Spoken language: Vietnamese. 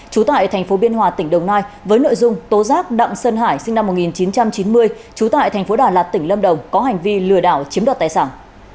trú tại thành phố biên hòa tỉnh đồng nai với nội dung tố giác đặng sơn hải sinh năm một nghìn chín trăm chín mươi trú tại thành phố đà lạt tỉnh lâm đồng có hành vi lừa đảo chiếm đoạt tài sản